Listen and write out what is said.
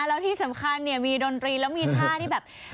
แล้วที่สำคัญเนี่ยมีดนตรีแล้วมีท่าที่แบบ